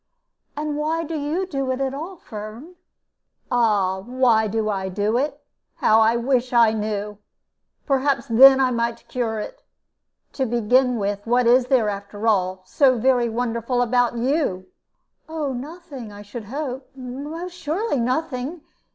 And why do you do it at all, Firm?" "Ah, why do I do it? How I wish I knew! Perhaps then I might cure it. To begin with, what is there, after all, so very wonderful about you?" "Oh, nothing, I should hope. Most surely nothing.